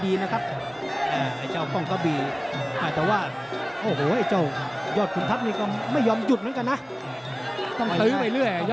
โดนสะสมมันเรื่อย